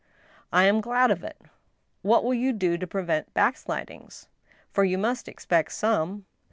" I am glad of it. What will you do to prevent backslidings ?— for you must expect some."